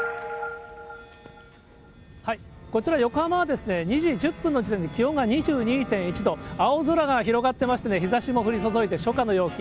こちら横浜は、２時１０分の時点で気温が２２．１度、青空が広がってましてね、日ざしも降り注いで初夏の陽気。